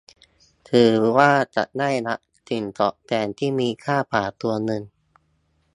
ถือว่าจะได้รับสิ่งตอบแทนที่มีค่ากว่าตัวเงิน